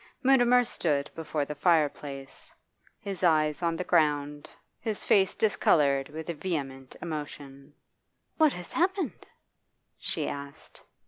Mutimer stood before the fireplace, his eyes on the ground, his face discoloured with vehement emotion. 'What has happened?' she asked.